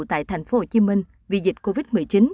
tại thành phố hồ chí minh vì dịch covid một mươi chín